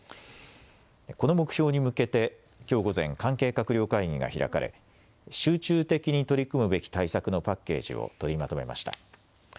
この目標に向けて、きょう午前、関係閣僚会議が開かれ、集中的に取り組むべき対策のパッケージを取りまとめました。